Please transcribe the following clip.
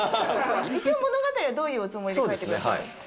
一応、物語はどういうおつもりで書いてくださったんですか？